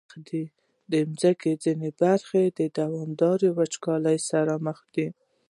د مځکې ځینې برخې د دوامداره وچکالۍ سره مخ دي.